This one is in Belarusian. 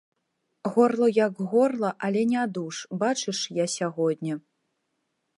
Горла як горла, але нядуж, бачыш, я сягоння.